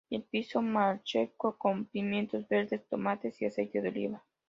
Y el pisto manchego con pimientos verdes, tomates y aceite de oliva.